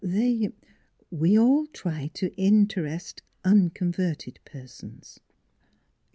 They we all try to interest unconverted persons."